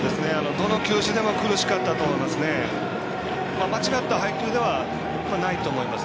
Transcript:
どの球種でも苦しかったと思います。